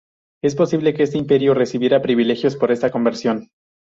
Es posible que este Imperio recibiera privilegios por esta conversión.